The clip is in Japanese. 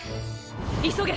急げ！